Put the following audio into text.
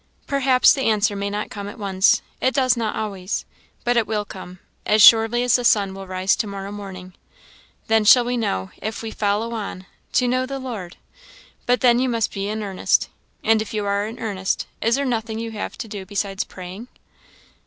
"Perhaps the answer may not come at once it does not always; but it will come, as surely as the sun will rise to morrow morning. 'Then shall we know, if we follow on to know the Lord.' But then you must be in earnest. And if you are in earnest, is there nothing you have to do besides _praying?